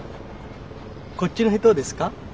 こっちの人ですか？